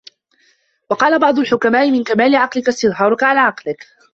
وَقَالَ بَعْضُ الْحُكَمَاءِ مِنْ كَمَالِ عَقْلِك اسْتِظْهَارُك عَلَى عَقْلِك